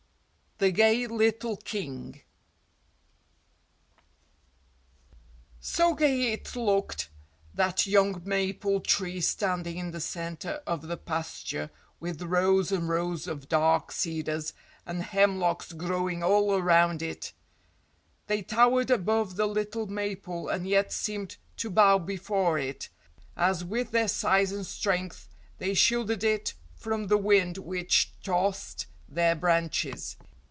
THE GAY LITTLE KING MARY STEWART So gay it looked, that young maple tree standing in the centre of the pasture with rows and rows of dark cedars and hemlocks growing all around it! They towered above the little maple and yet seemed to bow before it, as with their size and strength they shielded it from the wind which tossed their branches.